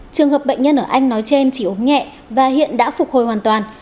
trường hợp bệnh nhân ở anh nói trên chỉ ốm nhẹ và hiện đã phục hồi hoàn toàn